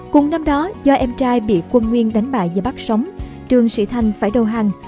cùng năm đó do em trai bị quân nguyên đánh bại và bắt sống trương sĩ thành phải đầu hàng